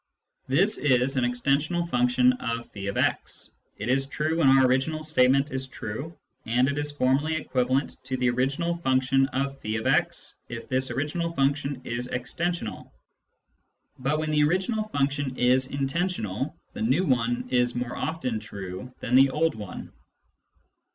This is an extensional function of <j>x ; it is true when our original statement is true, and it is formally equivalent to the original function of (f>x if this original function is extensional ; but when the original function is intensional, the new one is more often true than the old one.